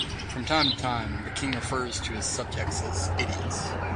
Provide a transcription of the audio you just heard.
From time to time, the king refers to his subjects as "Idiots".